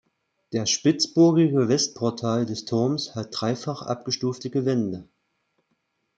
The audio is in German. Das spitzbogige Westportal des Turmes hat dreifach abgestufte Gewände.